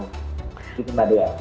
gitu mbak dea